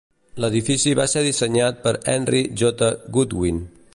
L'edifici va ser dissenyat per Henry J. Goodwin.